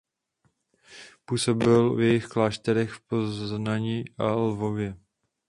Působil v jejich klášterech v Poznani a Lvově.